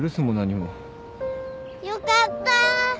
よかった。